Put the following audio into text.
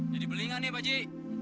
jadi belingan ya baji